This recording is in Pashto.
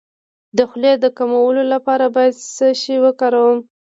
د خولې د کمولو لپاره باید څه شی وکاروم؟